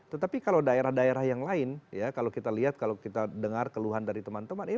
tetapi kalau daerah daerah yang lain ya kalau kita lihat kalau kita dengar keluhan dari teman teman